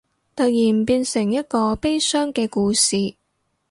突然變成一個悲傷嘅故事